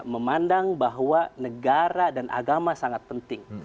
memandang bahwa negara dan agama sangat penting